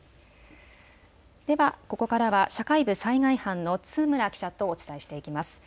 ではここからは社会部災害班の津村記者とお伝えしていきます。